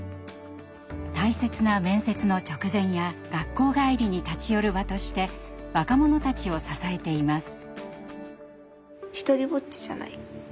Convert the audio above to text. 大切な面接の直前や学校帰りに立ち寄る場として若者たちを支えています。